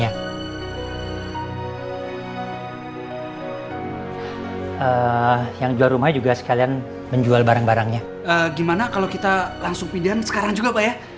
yang jual rumah juga sekalian menjual barang barangnya gimana kalau kita langsung pidan sekarang juga pak ya